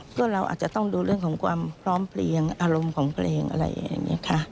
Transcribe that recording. ก็เราอาจจะต้องดูเรื่องของความพร้อมเพลียงอารมณ์ของเพลงอะไรอย่างนี้ค่ะ